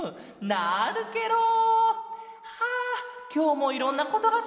なるケロ！はあきょうもいろんなことがしれた。